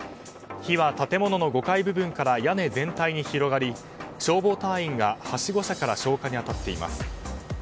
火は建物の５階部分から屋根全体に広がり消防隊員がはしご車から消火に当たっています。